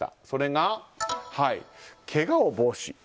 それが、けがを防止。